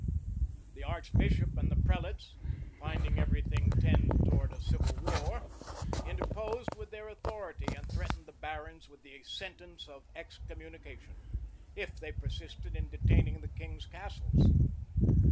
[] The archbishop and the prelates, finding every thing tend towards a civil war, interposed with their authority, and threatened the barons with the sentence of excommunication, if they persisted in detaining the king's castles.